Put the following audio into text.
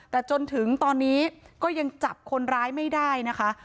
แต่จนถึงตอนนี้ก็ยังจับคนร้ายไม่ได้นะคะ